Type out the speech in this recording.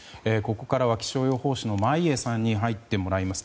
ここからは気象予報士の眞家さんに入ってもらいます。